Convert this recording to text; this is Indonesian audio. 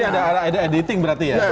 ini ada editing berarti ya